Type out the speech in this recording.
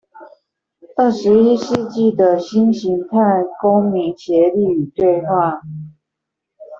二十一世紀的新型態公民協力與對話